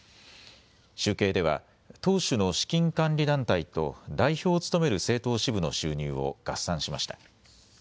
集計では党首の資金管理団体と代表を務める政党支部の収入を合算しました。